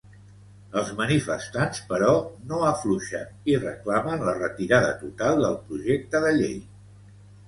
Els manifestants, però, no afluixen i reclamen la retirada total del projecte de llei.